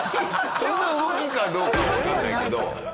そんな動きかどうかはわかんないけど。